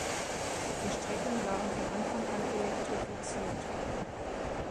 Die Strecken waren von Anfang an elektrifiziert.